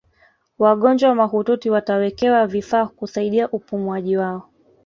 wagonjwa mahututi watawekewa vifaa kusaidia upumuaji wao